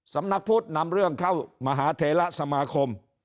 สำนักพุทธนำเรื่องเข้ามหาเทระสมาคม